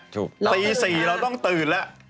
ตี๔เราต้องตื่นแล้ว